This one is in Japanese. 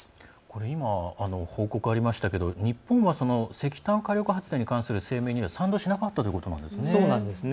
今、報告ありましたけど日本は、石炭火力発電に関する声明には賛同しなかったということなんですね。